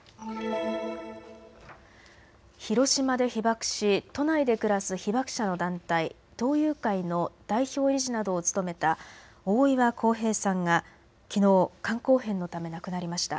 広島で被爆し都内で暮らす被爆者の団体、東友会の代表理事などを務めた大岩孝平さんがきのう肝硬変のため亡くなりました。